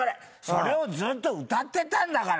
それをずっと歌ってたんだから。